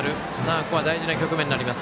ここは大事な局面になります。